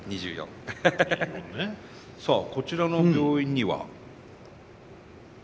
さあこちらの病院には？